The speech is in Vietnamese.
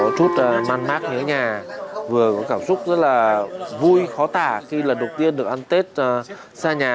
có chút man mát ở nhà vừa có cảm xúc rất là vui khó tả khi lần đầu tiên được ăn tết xa nhà